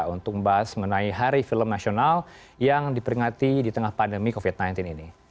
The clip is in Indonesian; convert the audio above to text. untuk membahas mengenai hari film nasional yang diperingati di tengah pandemi covid sembilan belas ini